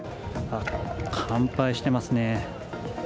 乾杯していますね。